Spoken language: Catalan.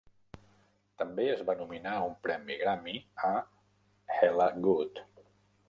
També es va nominar un premi Grammy a "Hella Good" .